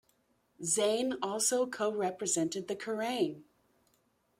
Zane also co-presented the Kerrang!